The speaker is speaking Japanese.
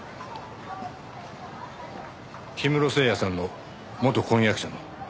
氷室聖矢さんの元婚約者の。